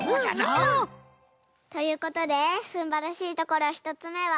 うんうん！ということですんばらしいところ１つめは。